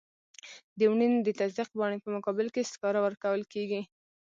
د مړینې د تصدیق پاڼې په مقابل کې سکاره ورکول کیږي.